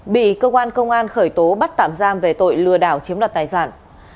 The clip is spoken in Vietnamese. bị cơ quan công an khởi tố bắt tạm giam về tội lừa đảo chiếm đoạt tài sản